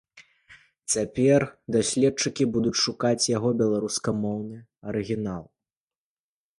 Цяпер даследчыкі будуць шукаць яго беларускамоўны арыгінал.